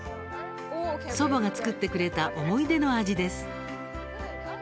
祖母が作ってくれた思い出の味です。